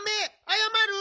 あやまる！